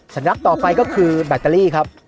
ยักษ์ต่อไปก็คือแบตเตอรี่ครับ